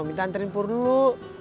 minta hantarin pur dulu